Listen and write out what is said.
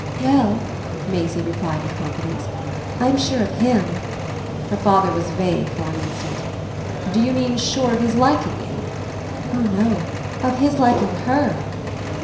"Well," Maisie replied with competence, "I'm sure of HIM." Her father was vague for an instant. "Do you mean sure of his liking you?" "Oh no; of his liking HER!"